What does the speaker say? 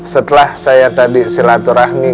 setelah saya tadi silaturahmi